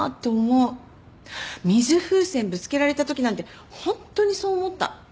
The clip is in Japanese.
水風船ぶつけられたときなんてホントにそう思った。